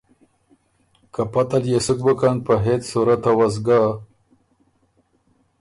که پته ليې سُک بُکن په هېڅ صورته وه سو ګۀ